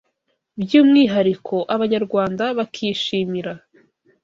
by’umwihariko abanyarwanda bakishimira